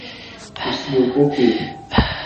Usiogope!